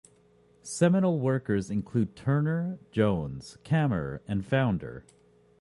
Seminal work includes Turner, Jones, Kammer, and Funder.